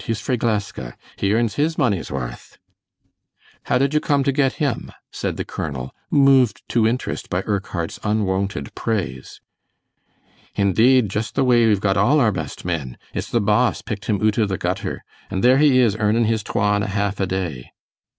He's frae Gleska. He earns his money's warth." "How did you come to get him?" said the colonel, moved to interest by Urquhart's unwonted praise. "Indeed, just the way we've got all our best men. It's the boss picked him oot o' the gutter, and there he is earnin' his twa and a half a day."